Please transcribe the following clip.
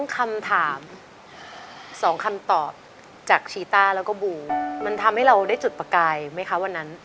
คำถาม๒คำตอบจากชีต้าแล้วก็บูมันทำให้เราได้จุดประกายไหมคะวันนั้น